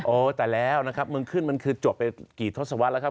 โอ้แต่แล้วนะครับเมืองขึ้นมันคือจบไปกี่ทศวรรษแล้วครับ